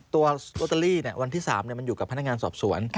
ตัวโรตเตอรี่วันที่๓มันอยู่กับพนักงานสอบสวน